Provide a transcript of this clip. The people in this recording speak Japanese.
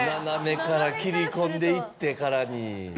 斜めから切り込んでいってからに。